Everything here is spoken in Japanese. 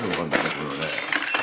これはね。